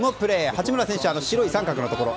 八村選手、白い三角のところ。